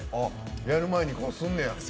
やる前にすんねや。